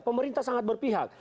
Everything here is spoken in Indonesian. pemerintah sangat berpihak